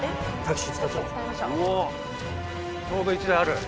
ちょうど１台ある。